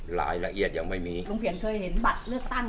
รายละเอียดยังไม่มีลุงเขียนเคยเห็นบัตรเลือกตั้ง